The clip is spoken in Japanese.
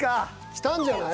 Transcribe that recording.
きたんじゃない？